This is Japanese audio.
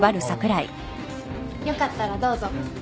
よかったらどうぞ。